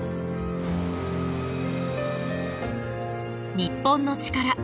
『日本のチカラ』